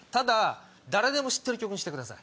誰でも知ってる曲にしてください。